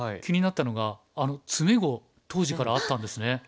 気になったのが詰碁当時からあったんですね。